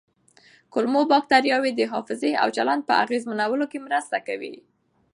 کولمو بکتریاوې د حافظې او چلند په اغېزمنولو کې مرسته کوي.